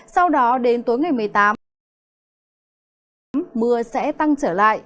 sau đó đến tối ngày một mươi tám mưa sẽ tăng trở lại